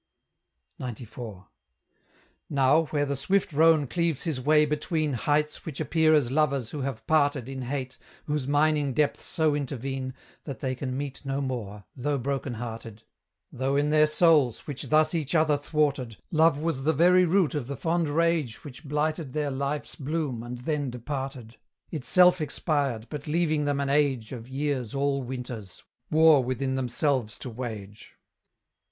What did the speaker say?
XCIV. Now, where the swift Rhone cleaves his way between Heights which appear as lovers who have parted In hate, whose mining depths so intervene, That they can meet no more, though broken hearted; Though in their souls, which thus each other thwarted, Love was the very root of the fond rage Which blighted their life's bloom, and then departed: Itself expired, but leaving them an age Of years all winters war within themselves to wage.